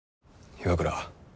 岩倉。